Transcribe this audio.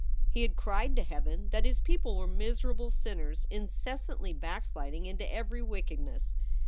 He had cried to heaven that his people were miserable sinners incessantly backsliding into every wickedness.